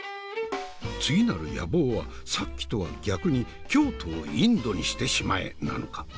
次なる野望はさっきとは逆に京都をインドにしてしまえなのか。